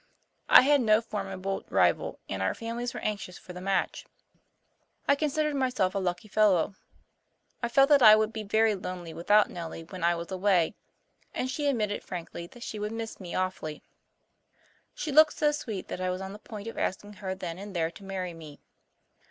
I had no formidable rival, and our families were anxious for the match. I considered myself a lucky fellow. I felt that I would be very lonely without Nellie when I was away, and she admitted frankly that she would miss me awfully. She looked so sweet that I was on the point of asking her then and there to marry me.